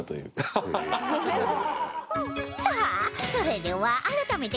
さあそれでは改めてクイズ